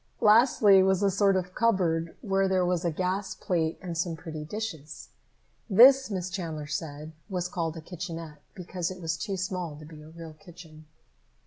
Lastly was a sort of cupboard where there was a gas plate and some pretty dishes. This, Miss Chandler said, was called a kitchenette, because it was too small to be a real kitchen.